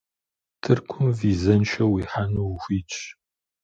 Тыркум визэншэу уихьэну ухуитщ.